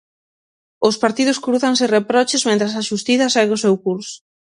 Os partidos crúzanse reproches mentres a xustiza segue o seu curso.